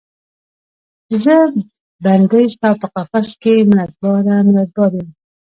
زه بندۍ ستا په قفس کې، منت باره، منت بار یم